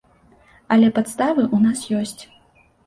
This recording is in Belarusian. Але падставы ў нас ёсць.